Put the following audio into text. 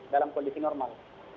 dalam kondisi normal